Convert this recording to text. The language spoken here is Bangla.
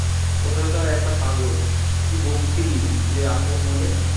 কোথাকার একটা পাগল, কি বকছিলি রে আপন মনে?